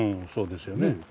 そうですよね。